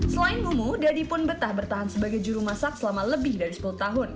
selain mumu dadi pun bertah bertahan sebagai jurumasak selama lebih dari sepuluh tahun